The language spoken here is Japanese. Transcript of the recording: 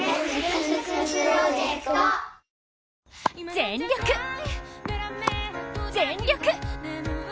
全力、全力！